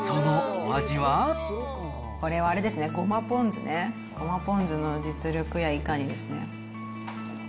これはあれですね、ごまポン酢ね、ごまポン酢の実力やいかにですね。